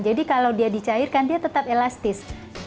jadi kalau dia dicairkan dia tetap elastis